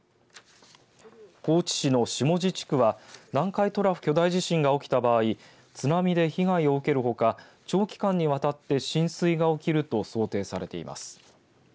高知市の下知地区は南海トラフ巨大地震が起きた場合津波で被害を受けるほか長期間にわたって浸水が起きると想定されています。